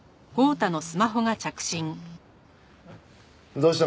どうした？